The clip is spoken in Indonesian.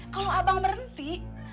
kalau abang berhenti